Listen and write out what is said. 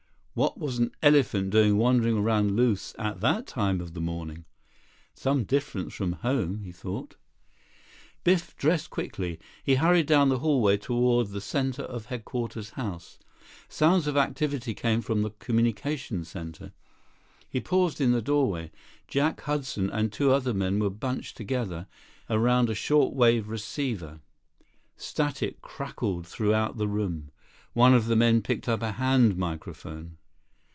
What was an elephant doing wandering around loose at that time of the morning? "Some difference from home," he thought. 43 Biff dressed quickly. He hurried down the hallway toward the center of Headquarters House. Sounds of activity came from the communications center. He paused in the doorway. Jack Hudson and two other men were bunched together around a short wave receiver. Static crackled throughout the room. One of the men picked up a hand microphone.